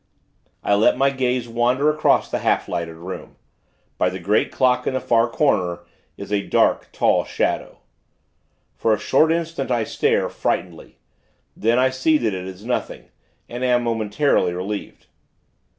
I let my gaze wander across the half lighted room. By the great clock in the far corner, is a dark, tall shadow. For a short instant, I stare, frightenedly. Then, I see that it is nothing, and am, momentarily, relieved.